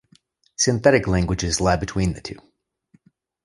Synthetic languages lie between the two.